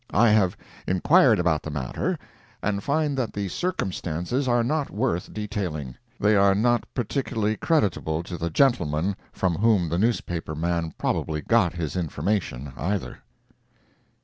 I have inquired about the matter, and find that the circumstances are not worth detailing. They are not particularly creditable to the gentleman from whom the newspaper man probably got his information, either.